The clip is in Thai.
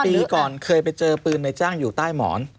ปีก่อนเคยไปเจอปืนในจ้างอยู่ใต้หมอน